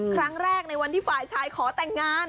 ครั้งแรกในวันที่ฝ่ายชายขอแต่งงาน